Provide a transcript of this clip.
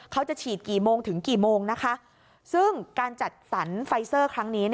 เขาจะฉีดกี่โมงถึงกี่โมงนะคะซึ่งการจัดสรรไฟเซอร์ครั้งนี้